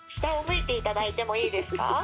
下を向いていただいてもいいですか？